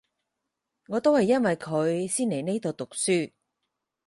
我都係因為佢先嚟呢度讀書